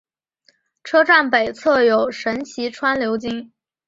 车站北侧有神崎川流经。